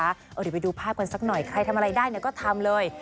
เดี๋ยวไปดูภาพกันสักหน่อยใครทำอะไรได้ก็ทำเลย